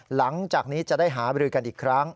หลังจากนี้จะได้หาบรือกันอีกครั้ง